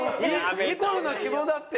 ニコルのヒモだって。